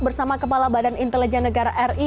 bersama kepala badan intelijen negara ri